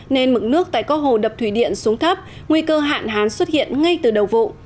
nên mực nước tại các hồ đập thủy điện xuống thấp nguy cơ hạn hán xuất hiện ngay từ đầu vụ